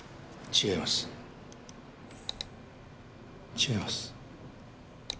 違います。